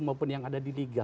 maupun yang ada di liga